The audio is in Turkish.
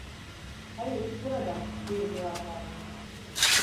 "Hayır, şurada!" diye cevap verdim.